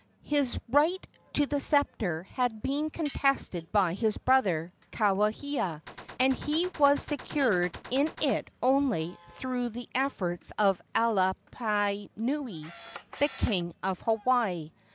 His right to the sceptre had been contested by his brother, Kauhia, and he was secured in it only through the efforts of Alapainui, the king of Hawaii.